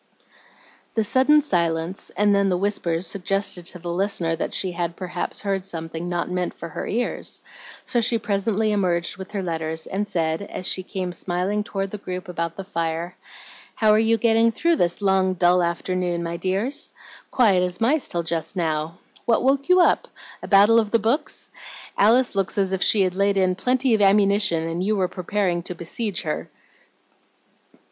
The sudden silence and then the whispers suggested to the listener that she had perhaps heard something not meant for her ears; so she presently emerged with her letters, and said, as she came smiling toward the group about the fire, "How are you getting through this long, dull afternoon, my dears? Quiet as mice till just now. What woke you up? A battle of the books? Alice looks as if she had laid in plenty of ammunition, and you were preparing to besiege her."